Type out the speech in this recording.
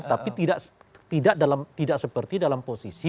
tapi tidak seperti dalam posisi